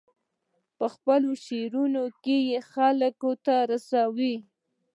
په خپلو شعرونو کې یې خلکو ته رساوه.